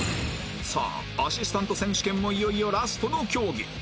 さあアシスタント選手権もいよいよラストの競技